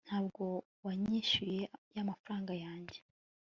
ntabwo wanyishyuye yamafara yange